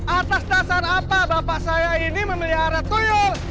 atas dasar apa bapak saya ini memilih arah tuyul